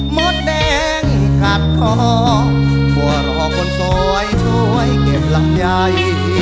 หมดแดงขาดขอควรรอคนซอยช่วยเก็บลำยาย